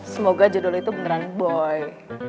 semoga jodoh lo itu beneran boy